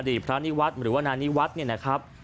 พระนิวัฒน์หรือว่านานิวัฒน์เนี่ยนะครับ